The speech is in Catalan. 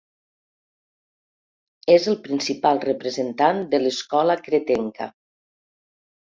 És el principal representant de l'Escola cretenca.